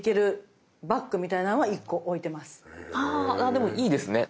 あでもいいですね。